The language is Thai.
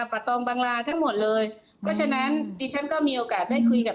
ตองบังลาทั้งหมดเลยเพราะฉะนั้นดิฉันก็มีโอกาสได้คุยกับ